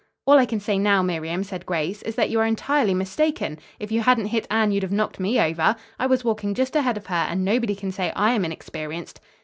"All I can say now, Miriam," said Grace, "is that you are entirely mistaken. If you hadn't hit Anne you'd have knocked me over. I was walking just ahead of her and nobody can say I am inexperienced."